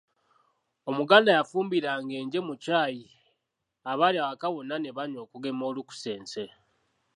Omuganda yafumbiranga enje mu Chai abali awaka bonna ne banywa okugema olukusense.